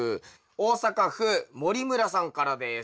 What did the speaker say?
大阪府森村さんからです。